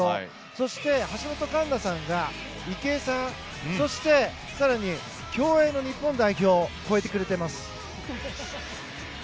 そして、橋本環奈さんが池江さん、そして更に競泳の日本代表を超えてくれています。